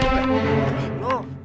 terima kasih tuhan